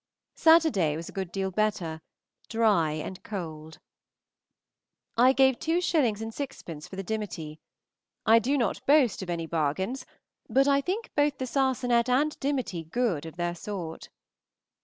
Saturday was a good deal better; dry and cold. I gave 2_s._ 6_d._ for the dimity. I do not boast of any bargains, but think both the sarsenet and dimity good of their sort.